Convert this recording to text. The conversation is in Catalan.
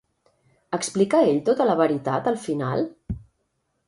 Explica ell tota la veritat al final?